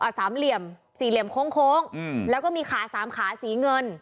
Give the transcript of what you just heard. สามเหลี่ยมสี่เหลี่ยมโค้งโค้งอืมแล้วก็มีขาสามขาสีเงิน